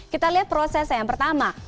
kita lihat prosesnya yang pertama